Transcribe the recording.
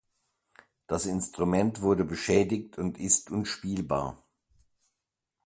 Das Instrument wurde beschädigt und ist unspielbar.